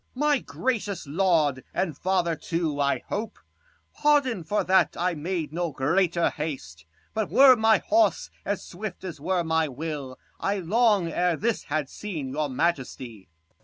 Tr *^$*<* N^ Corn. My gracious lord, and father too, I hope, Pardon, for that I made no greater haste : 55 But were my horse as swift as were my will, I long ere this had seen your majesty.